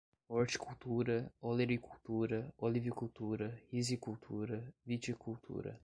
horticultura, olericultura, olivicultura, rizicultura, viticultura